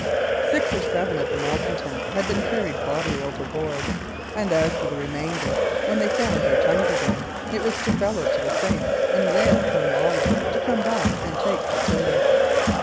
Six or seven of the malcontents had been carried bodily overboard; and as for the remainder, when they found their tongues again, it was to bellow to the saints and wail upon Lawless to come back and take the tiller.